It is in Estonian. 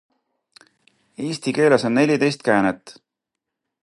Eesti keeles on neliteist käänet.